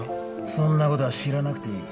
そんなことは知らなくていい。